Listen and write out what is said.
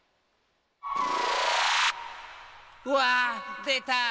うわあ！でた！